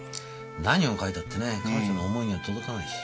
何を書いたってねぇ彼女の思いには届かないし。